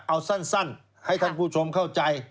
เอาสั้นให้ท่านผู้ชมเข้าใจ